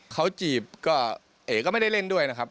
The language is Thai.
เขาจีบก็เอ๋ก็ไม่ได้เล่นด้วยนะครับ